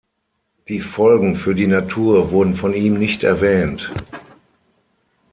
Die Folgen für die Natur wurden von ihm nicht erwähnt.